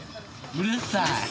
うるさい。